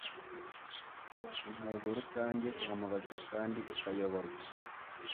Intego rusange ihamagazwa kandi ikayoborwa